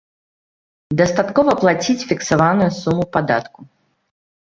Дастаткова плаціць фіксаваную суму падатку.